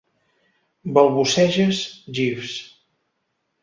Balbuceges, Jeeves.